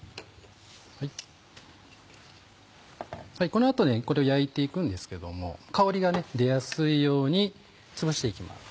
この後にこれを焼いて行くんですけども香りが出やすいようにつぶして行きます。